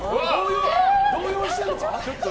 動揺してるのか？